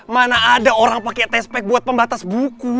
mana ada orang pake tespek buat pembatas buku